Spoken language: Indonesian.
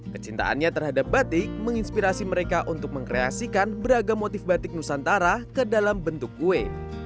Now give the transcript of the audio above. kecintaannya terhadap batik menginspirasi mereka untuk mengkreasikan beragam motif batik nusantara ke dalam bentuk kue